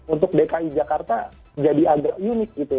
untuk dki jakarta jadi agak unik gitu